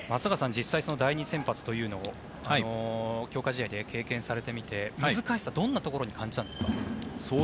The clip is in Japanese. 実際に第２先発というのを強化試合で経験されてみて難しさをどんなところに感じたんですか？